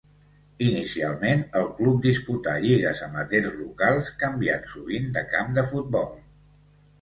Inicialment el club disputà lligues amateurs locals, canviant sovint de camp de futbol.